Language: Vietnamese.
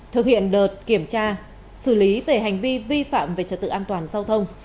thực hiện đợt kiểm tra xử lý về hành vi vi phạm về trật tự an toàn giao thông